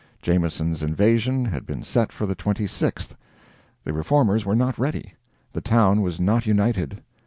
Jameson's invasion had been set for the 26th. The Reformers were not ready. The town was not united.